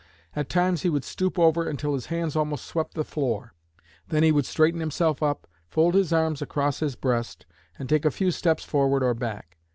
At times he would stoop over until his hands almost swept the floor. Then he would straighten himself up, fold his arms across his breast, and take a few steps forward or back.